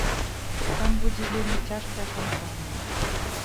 Там будзе вельмі цяжкая кампанія.